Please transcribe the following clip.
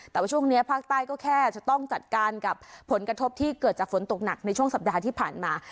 แต่ว่าช่วงนี้ภาคใต้ก็แค่จะต้องจัดการกับผลกระทบที่เกิดจากฝนตกหนักในช่วงสัปดาห์ที่ผ่านมา